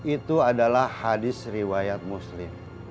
itu adalah hadis riwayat muslim